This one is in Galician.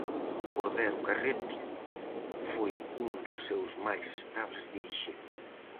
Cordero Carrete foi un dos seus máis estables dirixentes.